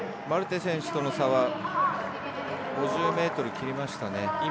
マルテ選手との差は５０ｍ切りましたね。